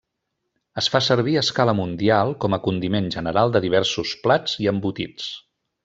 Es fa servir a escala mundial com a condiment general de diversos plats i embotits.